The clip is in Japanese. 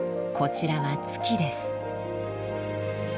こちらは月です。